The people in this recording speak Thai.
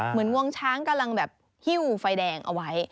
งวงช้างกำลังแบบหิ้วไฟแดงเอาไว้